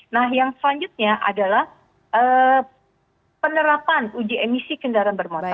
nah yang selanjutnya adalah penerapan uji emisi kendaraan bermotor